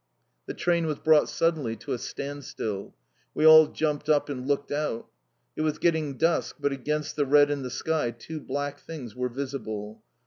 The train was brought suddenly to a standstill. We all jumped up and looked out. It was getting dusk, but against the red in the sky two black things were visible.